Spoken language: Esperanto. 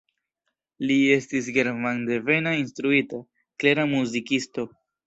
Li estis germandevena instruita, klera muzikisto.